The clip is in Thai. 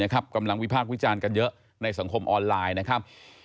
กำลังวิพากษ์วิจารณ์กันเยอะในสังคมออนไลน์นะครับ